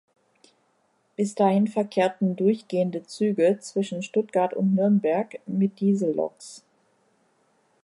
Bis dahin verkehrten durchgehende Züge zwischen Stuttgart und Nürnberg mit Dieselloks.